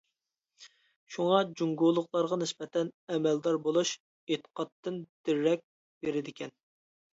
شۇڭا، جۇڭگولۇقلارغا نىسبەتەن، ئەمەلدار بولۇش ئېتىقادتىن دېرەك بېرىدىكەن.